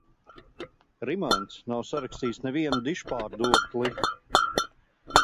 Rimants nav sarakstījis nevienu dižpārdokli.